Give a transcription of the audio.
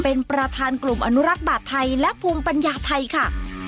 เป็นประธานกลุ่มอนุรักษ์บาทไทยและภูมิปัญญาไทยค่ะ